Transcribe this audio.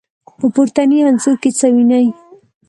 په پورتني انځور کې څه وينئ؟